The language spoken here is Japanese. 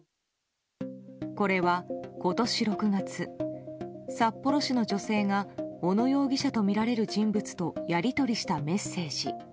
これは今年６月札幌市の女性が小野容疑者とみられる人物とやり取りしたメッセージ。